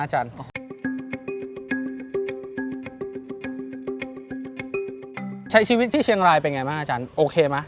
ใช้ชีวิตที่เชียงรายเป็นไงบ้างอาจารย์โอเคไหม